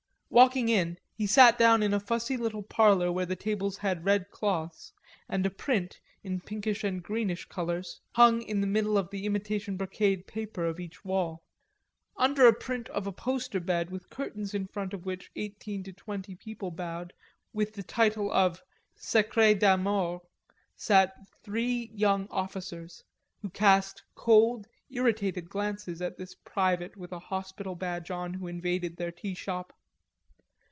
Walking in, he sat down in a fussy little parlor where the tables had red cloths, and a print, in pinkish and greenish colors, hung in the middle of the imitation brocade paper of each wall. Under a print of a poster bed with curtains in front of which eighteen to twenty people bowed, with the title of "Secret d'Amour," sat three young officers, who cast cold, irritated glances at this private with a hospital badge on who invaded their tea shop.